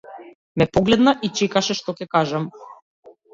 Ме погледна и чекаше што ќе кажам.